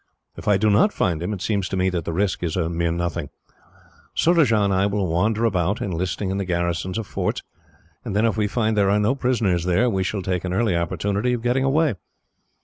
If I do not find him, it seems to me that the risk is a mere nothing. Surajah and I will wander about, enlisting in the garrisons of forts. Then, if we find there are no prisoners there, we shall take an early opportunity of getting away.